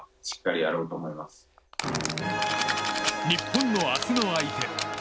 日本の明日の相手